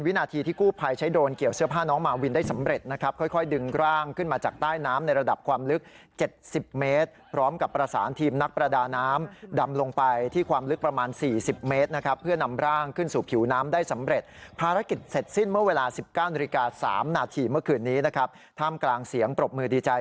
นาทีที่กู้ภัยใช้โดรนเกี่ยวเสื้อผ้าน้องมาวินได้สำเร็จนะครับค่อยดึงร่างขึ้นมาจากใต้น้ำในระดับความลึก๗๐เมตรพร้อมกับประสานทีมนักประดาน้ำดำลงไปที่ความลึกประมาณ๔๐เมตรนะครับเพื่อนำร่างขึ้นสู่ผิวน้ำได้สำเร็จภารกิจเสร็จสิ้นเมื่อเวลา๑๙นาฬิกา๓นาทีเมื่อคืนนี้นะครับท่ามกลางเสียงปรบมือดีใจ